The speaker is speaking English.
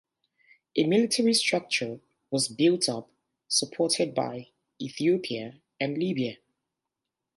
A military structure was built up, supported by Ethiopia and Libya.